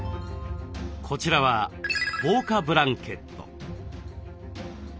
こっちは防火ブランケット。